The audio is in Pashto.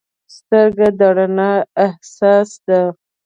سترګه د رڼا حساسه ده.